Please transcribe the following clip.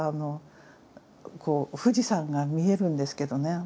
富士山が見えるんですけどね